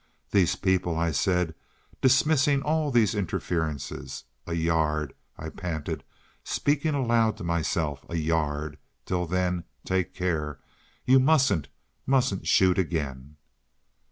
"These people!" I said, dismissing all these interferences. ... "A yard," I panted, speaking aloud to myself, "a yard! Till then, take care, you mustn't—mustn't shoot again."